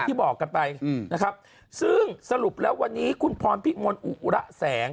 บอกกันไปนะครับซึ่งสรุปแล้ววันนี้คุณพรพิมลอุระแสง